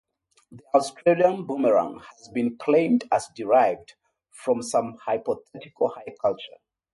The Australian boomerang has been claimed as derived from some hypothetical high culture.